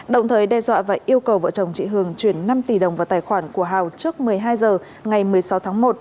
đồng thời đe dọa và yêu cầu vợ chồng chị hường chuyển năm tỷ đồng vào tài khoản của hào trước một mươi hai h ngày một mươi sáu tháng một